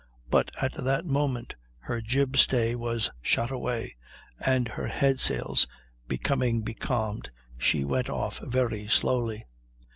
But at that moment her jib stay was shot away, and her head sails becoming becalmed, she went off very slowly.